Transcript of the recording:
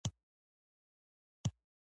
باقي پاته کسان یې کندهار ته ورسېدل.